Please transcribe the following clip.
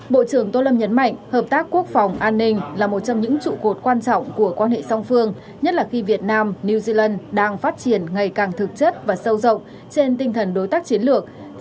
bộ trưởng tô lâm nhấn mạnh hợp tác quốc phòng an ninh là một trong những trụ cột quan trọng của quan hệ song phương nhất là khi việt nam new zealand đang phát triển ngày càng thực chất và sâu rộng trên tinh thần đối tác chiến lược